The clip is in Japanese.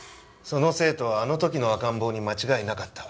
その生徒はあの時の赤ん坊に間違いなかった。